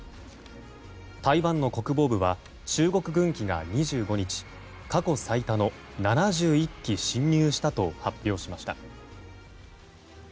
台湾の国防部は中国軍機が２５日過去最多の７１機進入したと発表しました。